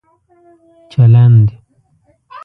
چلند